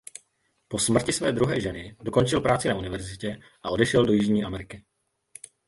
Po smrti své druhé ženy dokončil práci na univerzitě a odešel do Jižní Ameriky.